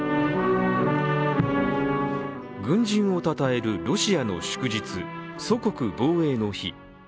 軍人をたたえるロシアの祝日祖国防衛の日。